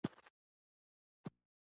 زه د سندرو محفل ته ځم.